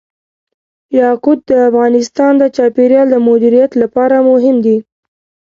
یاقوت د افغانستان د چاپیریال د مدیریت لپاره مهم دي.